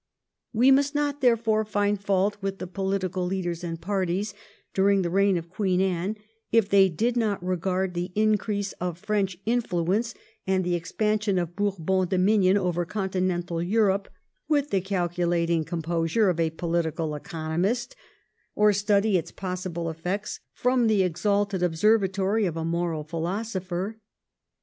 We must not therefore find fault with the political leaders and parties during the reign of Queen Anne if they did not regard the increase of French influence and the expansion of Bourbon dominion over Continental Europe with the calculat ing composure of a political economist, or study its possible effects from the exalted observatory of a moral philosopher.